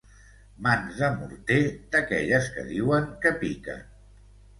Mans de morter d'aquelles que diuen que piquen.